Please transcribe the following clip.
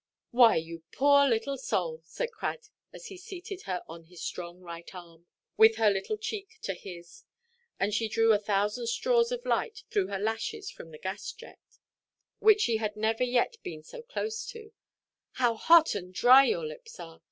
"Why, you poor little soul," said Crad, as he seated her on his strong right arm with her little cheek to his, and she drew a thousand straws of light through her lashes from the gas–jet, which she had never yet been so close to, "how hot and dry your lips are!